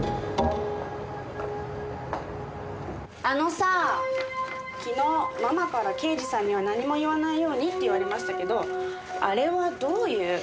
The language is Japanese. あのさ昨日ママから刑事さんには何も言わないようにって言われましたけどあれはどういう？